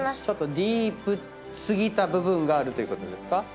ちょっとディープ過ぎた部分があるということですか？